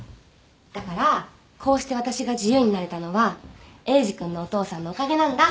だからこうして私が自由になれたのはエイジ君のお父さんのおかげなんだ。